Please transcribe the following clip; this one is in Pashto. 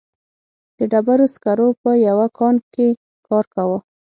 د ډبرو سکرو په یوه کان کې کار کاوه.